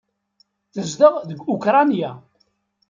Tezdeɣ deg Ukṛanya.